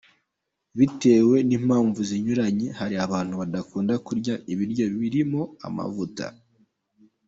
Bitewe n’impamvu zinyuranye, hari abantu badakunda kurya ibiryo birimo amavuta.